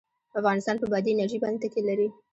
افغانستان په بادي انرژي باندې تکیه لري.